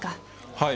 はい。